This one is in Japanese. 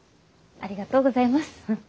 ありがとうございます。